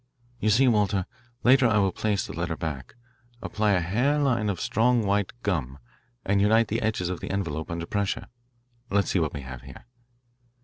"You see, Walter, later I will place the letter back, apply a hair line of strong white gum, and unite the edges of the envelope under pressure. Let us see what we have here."